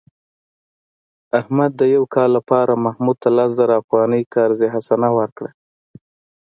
احمد د یو کال لپاره محمود ته لس زره افغانۍ قرض حسنه ورکړه.